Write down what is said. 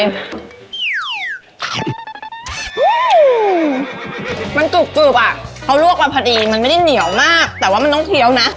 มันกรุบอ่ะเขาลวกมาพอดีมันไม่ได้เหนียวมากแต่ว่ามันต้องเคี้ยวนะ